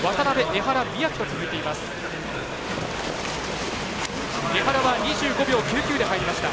江原は２５秒９９で入りました。